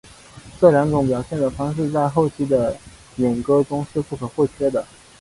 这两种表现的方法在后期的演歌中是不可或缺的。